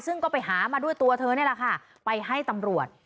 ซึ่งก็ไปหามาด้วยตัวเธอนี่แหละค่ะไปให้ตำรวจ